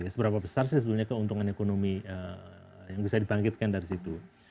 seberapa besar sih sebenarnya keuntungan ekonomi yang bisa dibangkitkan dari situ